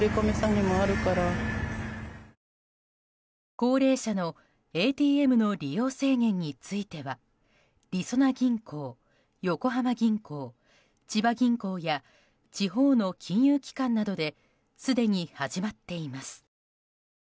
高齢者のＡＴＭ利用制限についてはりそな銀行、横浜銀行千葉銀行や地方の金融機関などですでに始まっています。